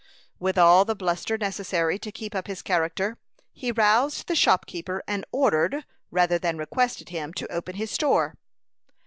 With all the bluster necessary to keep up his character, he roused the shopkeeper, and ordered, rather than requested, him to open his store.